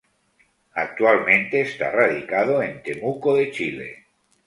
Actualmente está radicado en Temuco de Chile.